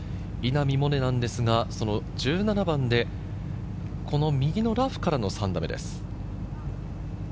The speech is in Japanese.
稲見萌寧なんですが、１７番で右のラフからの３打目です。